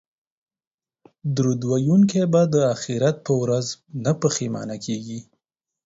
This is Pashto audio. درود ویونکی به د اخرت په ورځ نه پښیمانه کیږي